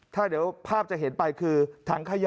ถ้าเดี๋ยวภาพจะเห็นไปคือถังขยะ